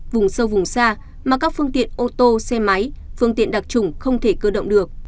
vùng sâu vùng xa mà các phương tiện ô tô xe máy phương tiện đặc trùng không thể cơ động được